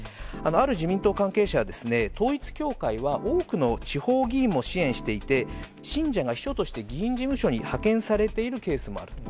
ある自民党関係者は、統一教会は多くの地方議員も支援していて、信者が秘書として議員事務所に派遣されているケースもあると。